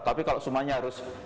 tapi kalau semuanya harus